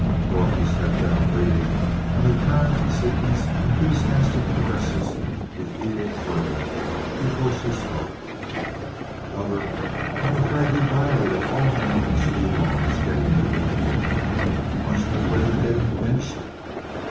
Dorothy stepped out, radiant, and returned Seaton's enthusiastic caresses with equal fervor before she spoke. "Lover, I'm afraid you violated all known speed laws getting me over here. Aren't you afraid of getting pinched?"